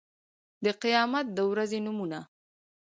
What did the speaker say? د قيامت د ورځې نومونه